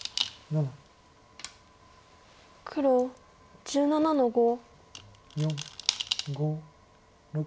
黒１７の五。